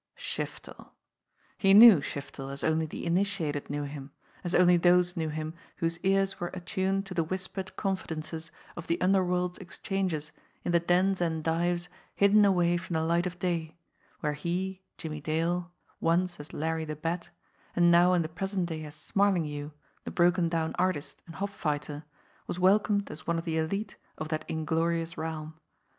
Shiftel ! He knew Shiftel as only the initiated knew him, as only those knew him whose ears were attune to the whis pered confidences of the underworld's exchanges in the dens and dives hidden away from the light of day, where he, Jim mie Dale, once as Larry the Bat, and now in the present day as Smarlinghue, the broken down artist and hop fighter, was welcomed as one of the elite of that inglorious realm.